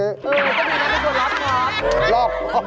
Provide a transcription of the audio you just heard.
คือก็ดูว่านายไปถูกรอบท้ม